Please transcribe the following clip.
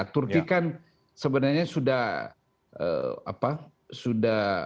turki kan sebenarnya sudah